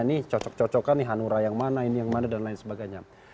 ini cocok cocokan nih hanura yang mana ini yang mana dan lain sebagainya